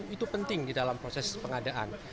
itu penting di dalam proses pengadaan